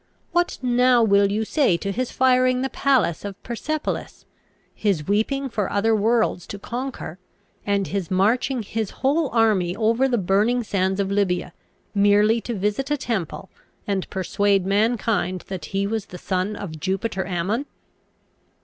What now will you say to his firing the palace of Persepolis, his weeping for other worlds to conquer, and his marching his whole army over the burning sands of Libya, merely to visit a temple, and persuade mankind that he was the son of Jupiter Ammon?"